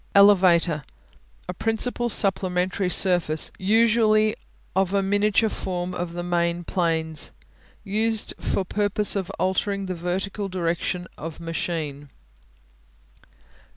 Elevator A principal supplementary surface, usually of a miniature form of the main planes. Used for purpose of altering the vertical direction of machine.